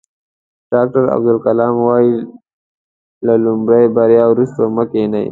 ډاکټر عبدالکلام وایي له لومړۍ بریا وروسته مه کینئ.